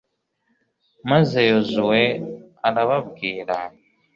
maze yozuwe arababwira